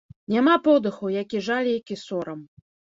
Няма подыху, які жаль, які сорам.